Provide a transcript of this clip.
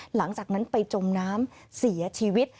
หลังจากนั้นไปจมน้ำเสียชีวิต